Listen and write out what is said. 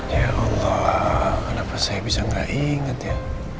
ya allah kenapa saya bisa gak ingat ya